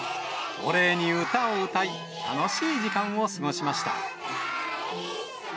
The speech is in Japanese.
お礼に歌を歌い、楽しい時間を過ごしました。